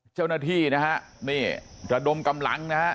เจ้าหน้าที่นะฮะนี่ระดมกำลังนะฮะ